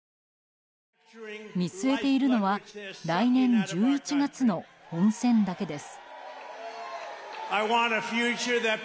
見据えているのは来年１１月の本選だけです。